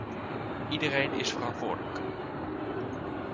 Iedereen is verantwoordelijk.